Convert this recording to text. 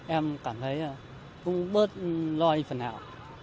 em cảm thấy cũng bớt lo như phần nào